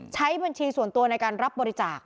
ใช้บัญชีส่วนตัวในการรับบริจาค